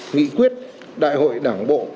nghị quyết đại hội đảng bộ